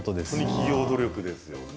企業努力ですよね